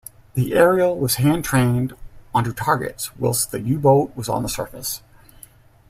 The aerial was hand trained onto targets whilst the U-boat was on the surface.